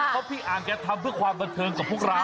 เพราะพี่อ่างแกทำเพื่อความบันเทิงกับพวกเรา